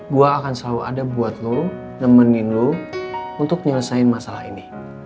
gue akan selalu ada buat lo nemenin lo untuk menyelesaikan masalah ini